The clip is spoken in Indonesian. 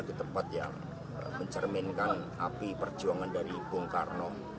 di tempat yang mencerminkan api perjuangan dari bung karno